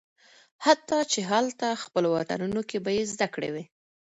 حتی چې هالته خپل وطنونو کې به یې زده کړې وي